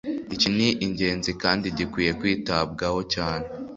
Iki ni ingenzi kandi gikwiye kwitabwaho cyane